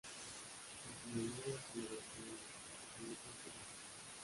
En su memoria se levantó un cenotafio en ese lugar.